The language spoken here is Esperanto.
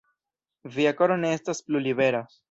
Via koro ne estas plu libera.